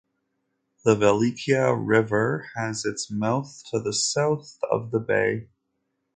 The Velikaya River has its mouth to the south of the bay.